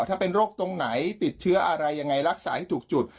ถ้าเป็นโรคตรงไหนติดเชื้ออะไรยังไงรักษาให้ถูกจุด